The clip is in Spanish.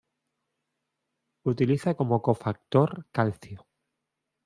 Utiliza como cofactor calcio.